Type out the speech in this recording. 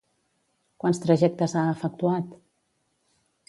Quants trajectes ha efectuat?